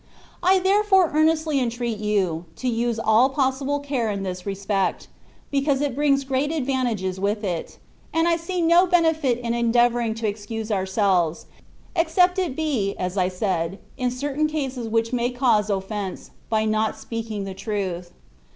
I therefore earnestly entreat you, to use all possible care in this respect, because it brings great advantages with it; and I see no benefit in endeavouring to excuse ourselves, except it be (as I said) in certain cases which may cause offence, by not speaking the truth.